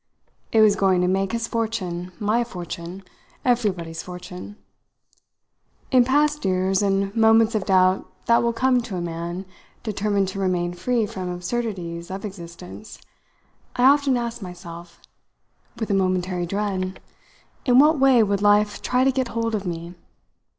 It was going to make his fortune, my fortune, everybody's fortune. In past years, in moments of doubt that will come to a man determined to remain free from absurdities of existence, I often asked myself, with a momentary dread, in what way would life try to get hold of me?